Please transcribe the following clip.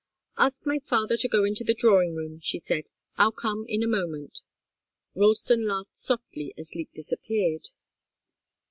"Ask my father to go into the drawing room," she said. "I'll come in a moment." Ralston laughed softly as Leek disappeared.